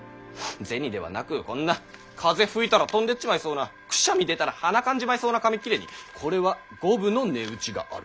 銭ではなくこんな風吹いたら飛んでっちまいそうなくしゃみ出たらはなかんじまいそうな紙っ切れに「これは５分の値打ちがある」